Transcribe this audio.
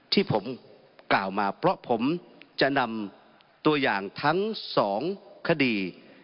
ที่ผมกล่าวมาเพราะผมจะนำตัวอย่างทั้งสองคดี